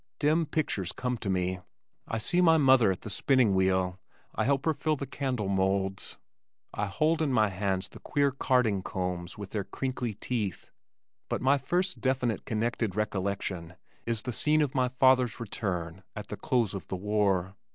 Dim pictures come to me. I see my mother at the spinning wheel, I help her fill the candle molds. I hold in my hands the queer carding combs with their crinkly teeth, but my first definite connected recollection is the scene of my father's return at the close of the war.